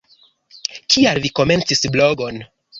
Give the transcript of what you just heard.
Kial vi komencis blogon?